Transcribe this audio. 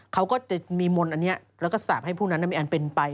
เขาก็จะมีมนต์อันนี้แล้วก็สาปให้ผู้นั้นมีอันเป็นไป